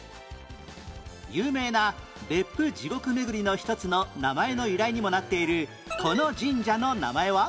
有名な別府地獄めぐりの一つの名前の由来にもなっているこの神社の名前は？